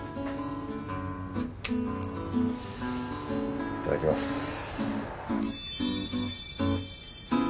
いただきます。